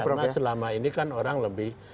karena selama ini kan orang lebih